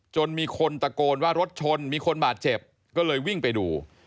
จนมีคนตะโกนว่ารถชนมีคนบาดเจ็บก็เลยวิ่งไปดู